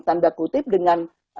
tanda kutip dengan